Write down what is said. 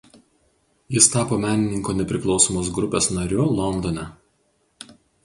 Jis tapo menininkų „Nepriklausomos grupės“ nariu Londone.